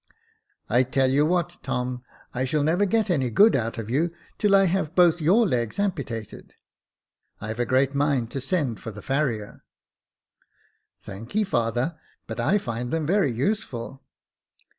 *' I tell you what, Tom ; I shall never get any good out of you until I have both your legs ampitated. I've a great mind to send for the farrier." " Thanky, father j but I find them very useful."